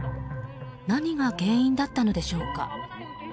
何が原因だったのでしょうか。